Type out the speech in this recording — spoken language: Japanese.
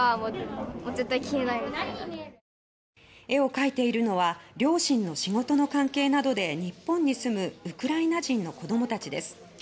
絵を描いているのは両親の仕事の関係などで日本に住むウクライナ人の子どもたちです。